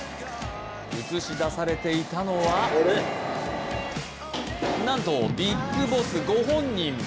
映し出されていたのはなんとビッグボスご本人。